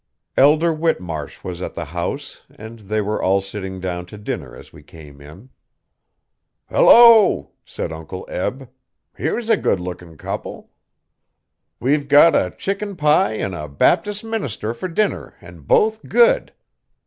Elder Whitmarsh was at the house and they were all sitting down to dinner as we came in. 'Hello!' said Uncle Eb. 'Here's a good lookin' couple. We've got a chicken pie an' a Baptis' minister fer dinner an' both good.